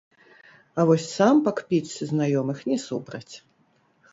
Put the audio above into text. А вось сам пакпіць са знаёмых не супраць.